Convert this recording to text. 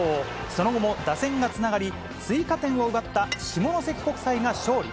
その後も打線がつながり、追加点を奪った下関国際が勝利。